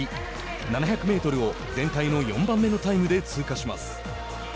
７００メートルを全体の４番目のタイムで通過します。